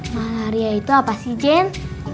malaria itu apa sih jen